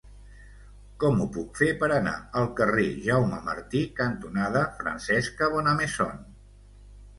Com ho puc fer per anar al carrer Jaume Martí cantonada Francesca Bonnemaison?